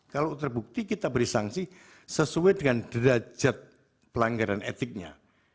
kalau terbukti kita beri sanksi sesuai dengan derajat pelanggaran etiknya